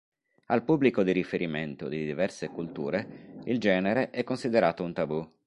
Al pubblico di riferimento di diverse culture il genere è considerato un tabù.